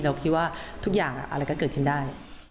เราคิดว่าทุกอย่างอะไรก็เกิดขึ้นได้